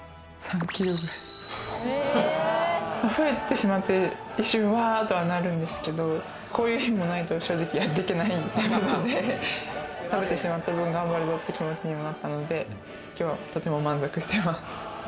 増えてしまって、一瞬わぁとはなるんですけど、こういう日もないと正直やっていけないので食べてしまった分、頑張るぞっていう気持ちにもなったので今日はとても満足しています。